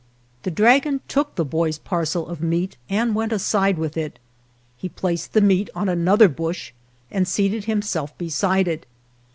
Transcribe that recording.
The dragon took the boy's parcel of meat and went aside with it. He placed the meat on another bush and seated himself beside it.